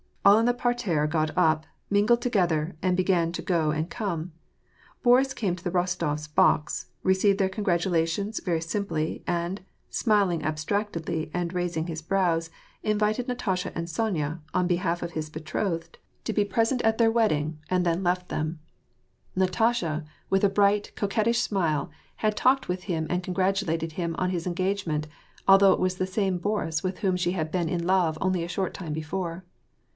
All in the parterre got up, mingled together, and began to go and come. Boris came to the Bostofs' box, received their congratulations very simply, and, smiling abstractedly and raising his bi ows, invited Natasha and Sonya^ on behalf of his beti*othed, to be present at their wed> WAH AND PEACE. 84S ding, and then left them. Natasha, with a brig^ht, coquettish smile, had talked with him and congratulated him on his en gagement, although it was the same Boris with whom she had been in love only a short time before.